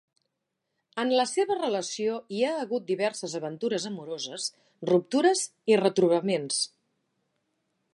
En la seva relació hi ha hagut diverses aventures amoroses, ruptures i retrobaments.